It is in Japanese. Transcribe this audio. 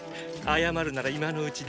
謝るなら今のうちだぜ？